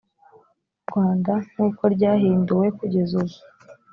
rwanda nk uko ryahinduwe kugeza ubu